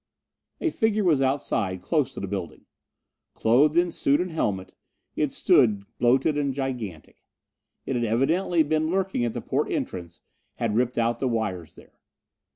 A figure was outside, close to the building! Clothed in suit and helmet, it stood, bloated and gigantic. It had evidently been lurking at the porte entrance, had ripped out the wires there.